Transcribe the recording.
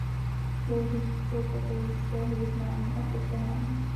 Byl římskokatolického vyznání a polské národnosti.